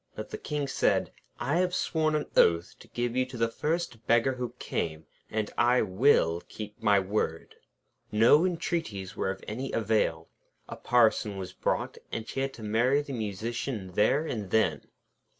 But the King said: 'I have sworn an oath to give you to the first beggar who came; and I will keep my word.' No entreaties were of any avail. A Parson was brought, and she had to marry the Musician there and then.